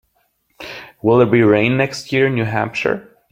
Will there be rain next year in New Hampshire?